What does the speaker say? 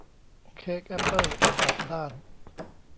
เค้กแอปเปิ้ลกลับด้าน